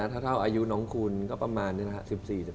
เท่าอายุน้องคุณก็ประมาณนี้